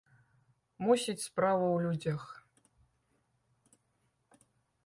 Мусіць, справа ў людзях.